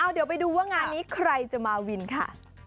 เดี๋ยวไปดูว่างานนี้ใครจะมาวินค่ะ